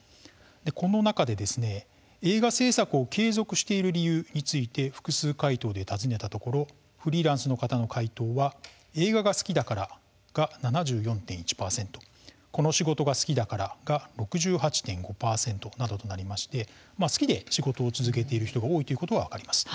この中で映画制作を継続している理由について複数回答で尋ねたところフリーランスの方の回答は「映画が好きだから」が７４．１％「この仕事が好きだから」が６８．５％などとなりまして好きで仕事を続けている人も多いということが分かりました。